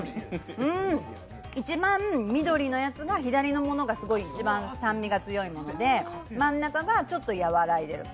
一番緑のやつが、左のが一番酸味が強くて真ん中がちょっと和らいでる。